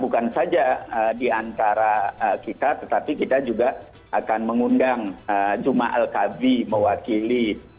bukan saja di antara kita tetapi kita juga akan mengundang juma'a al khafi mewakili ee